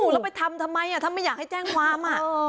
แล้วไปทำทำไมถ้าไม่อยากให้แจ้งความ